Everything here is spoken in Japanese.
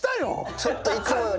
ちょっといつもより。